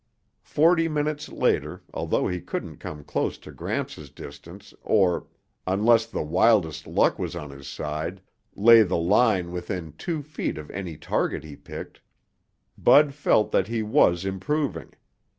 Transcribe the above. Forty minutes later, although he couldn't come close to Gramps' distance or, unless the wildest luck was on his side, lay the line within two feet of any target he picked, Bud felt that he was improving.